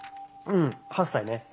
うん８歳ね。